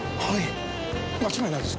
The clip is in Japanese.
間違いないですか？